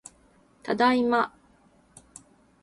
ただいま